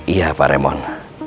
iya pak remon